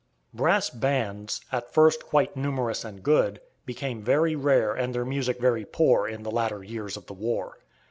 Brass bands, at first quite numerous and good, became very rare and their music very poor in the latter years of the war.